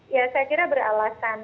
ya saya kira beralasan